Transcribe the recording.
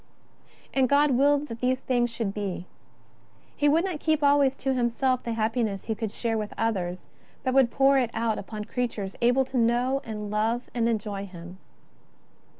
And God willed these things should be. He would not keep always to Himself the happiness He could share with others, but would pour it out upon creatures able to know and love and enjoy Him.